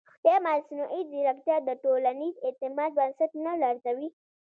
ایا مصنوعي ځیرکتیا د ټولنیز اعتماد بنسټ نه لړزوي؟